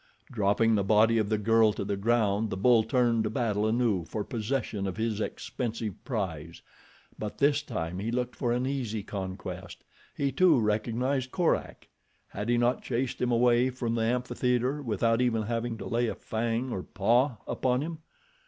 Dropping the body of the girl to the ground the bull turned to battle anew for possession of his expensive prize; but this time he looked for an easy conquest. He too recognized Korak. Had he not chased him away from the amphitheater without even having to lay a fang or paw upon him?